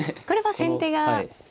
これは先手が。